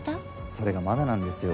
それが、まだなんですよ。